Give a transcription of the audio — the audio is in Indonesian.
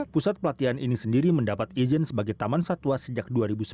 pusat pelatihan ini sendiri mendapat izin sebagai taman satwa sejak dua ribu sebelas